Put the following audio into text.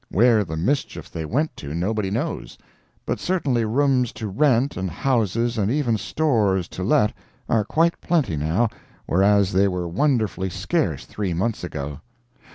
Where the mischief they went to, nobody knows, but certainly rooms to rent and houses and even stores to let are quite plenty, now, whereas they were wonderfully scarce three months ago.